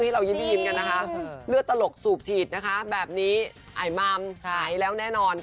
เรายิ้มกันนะคะเลือดตลกสูบฉีดนะคะแบบนี้ไอมัมหายแล้วแน่นอน